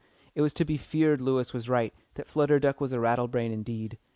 it is to be feared Lewis was right, that Flutter Duck was a rattle brain indeed.